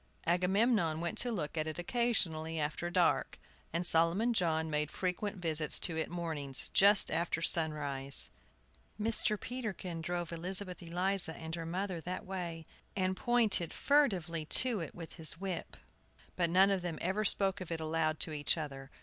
Agamemnon went to look at it occasionally after dark, and Solomon John made frequent visits to it mornings, just after sunrise. Mr. Peterkin drove Elizabeth Eliza and her mother that way, and pointed furtively to it with his whip; but none of them ever spoke of it aloud to each other.